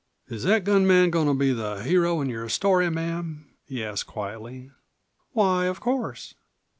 "Is that gun man goin' to be the hero in your story, ma'am?" he asked quietly. "Why, of course."